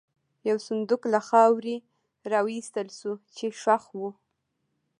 یو صندوق له خاورې را وایستل شو، چې ښخ و.